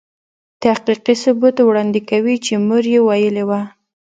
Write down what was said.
تحقیقي ثبوت وړاندې کوي چې مور يې ویلې وه.